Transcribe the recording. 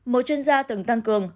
một chuyên gia từng tăng cường